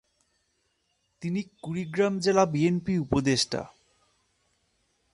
তিনি কুড়িগ্রাম জেলা বিএনপি উপদেষ্টা।